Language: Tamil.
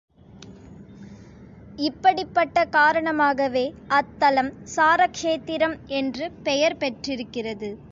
இப்படிப் பட்ட காரணமாகவே அத்தலம் சாரக்ஷேத்திரம் என்று பெயர் பெற்றிருக்கிறது.